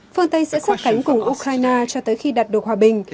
phương tây sẽ sát cánh cùng ukraine cho tới khi đạt được hòa bình